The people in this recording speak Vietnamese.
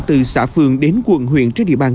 từ xã phường đến quận huyện trên địa bàn